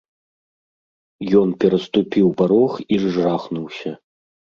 Ён пераступiў парог i зжахнуўся...